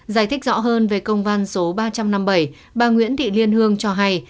giải thích rõ hơn về công văn số ba trăm năm mươi bảy bà nguyễn thị liên hương cho hay